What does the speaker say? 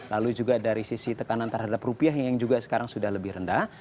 lalu juga dari sisi tekanan terhadap rupiah yang juga sekarang sudah lebih rendah